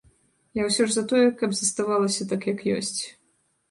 Я ўсё ж за тое, каб заставалася так, як ёсць.